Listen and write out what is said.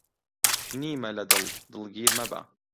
نیمە لە دڵ، دڵگیر مەبە